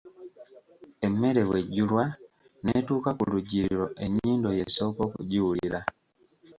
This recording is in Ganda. Emmere bw'ejjulwa n'etuuka ku lujjuliro, ennyindo y'esooka okugiwulira.